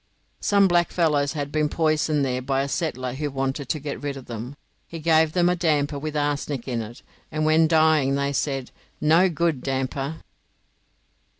Some blackfellows had been poisoned there by a settler who wanted to get rid of them. He gave them a damper with arsenic in it, and when dying they said, "No good, damper."